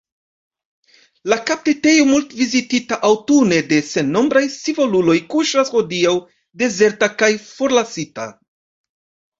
La kaptitejo, multvizitita aŭtune de sennombraj scivoluloj, kuŝas hodiaŭ dezerta kaj forlasita.